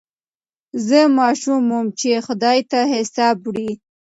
زه ماشوم وم چي یې خدای ته حساب وړی